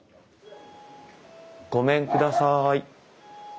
ごめんください。